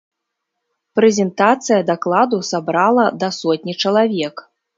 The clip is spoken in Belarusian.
Прэзентацыя дакладу сабрала да сотні чалавек.